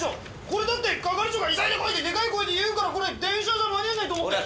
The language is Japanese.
これだって係長が「急いで来い！」ってでかい声で言うからこれ電車じゃ間に合わないと思って。